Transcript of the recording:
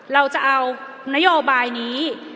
เราจะเอานโยบายนี้